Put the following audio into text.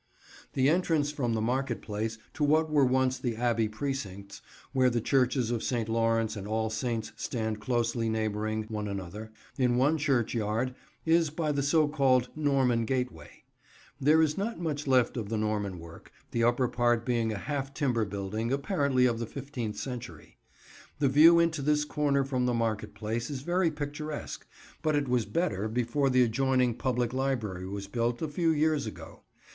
The entrance from the Market Place to what were once the Abbey precincts, where the churches of St. Lawrence and All Saints stand closely neighbouring one another, in one churchyard, is by the so called Norman Gateway. There is not much left of the Norman work, the upper part being a half timber building, apparently of the fifteenth century. The view into this corner from the Market Place is very picturesque, but it was better before the adjoining public library was built, a few years ago.